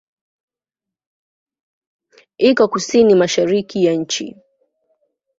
Iko kusini-mashariki ya nchi.